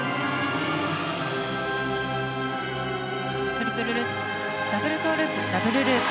トリプルルッツダブルトウループダブルループ。